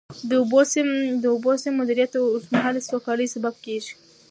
د اوبو سم مدیریت د اوږدمهاله سوکالۍ سبب ګرځي.